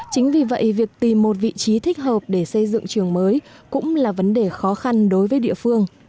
chính vì vậy việc tìm một vị trí thích hợp để xây dựng trường mới cũng là vấn đề khó khăn đối với địa phương